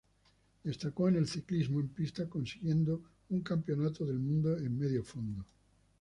Destacó en el ciclismo en pista consiguiendo un Campeonato del mundo en Medio Fondo.